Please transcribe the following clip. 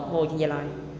mua trên dây loại